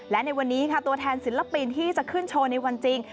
และในวันนี้ค่ะตัวแทนศิลปินที่จะขึ้นโชว์ในวันจริง